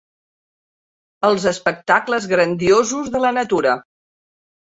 Els espectacles grandiosos de la natura.